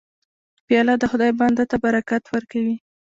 پیاله د خدای بنده ته برکت ورکوي.